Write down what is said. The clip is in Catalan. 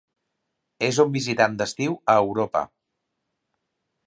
És un visitant d'estiu a Europa.